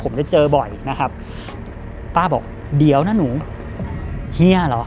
ผมได้เจอบ่อยนะครับป้าบอกเดี๋ยวนะหนูเฮียเหรอ